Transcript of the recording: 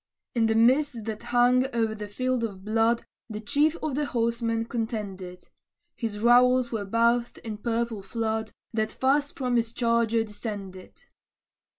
In the mist that hung over the field of blood, The chief of the horsemen contended; His rowels were bathed in purple flood, That fast from his charger descended.